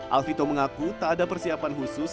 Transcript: alvito mengaku tak ada persiapan khusus